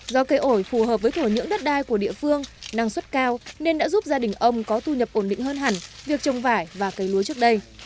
do cây ổi phù hợp với thổ nhưỡng đất đai của địa phương năng suất cao nên đã giúp gia đình ông có thu nhập ổn định hơn hẳn việc trồng vải và cây lúa trước đây